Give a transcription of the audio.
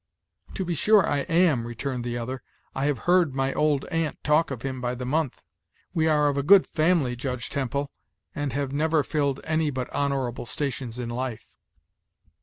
"To be sure I am," returned the other. "I have heard my old aunt talk of him by the month. We are of a good family, Judge Temple, and have never filled any but honorable stations in life."